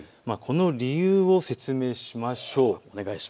理由を説明しましょう。